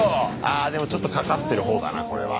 あでもちょっとかかってる方だなこれは。